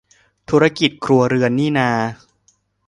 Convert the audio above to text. ธุรกิจครัวเรือนนี่นา